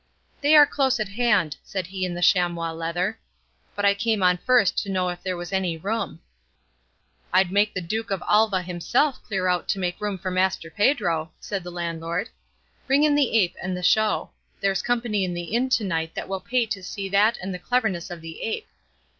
"They are close at hand," said he in the chamois leather, "but I came on first to know if there was any room." "I'd make the Duke of Alva himself clear out to make room for Master Pedro," said the landlord; "bring in the ape and the show; there's company in the inn to night that will pay to see that and the cleverness of the ape."